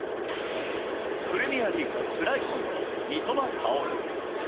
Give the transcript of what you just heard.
プレミアリーグ・ブライトンの三笘薫。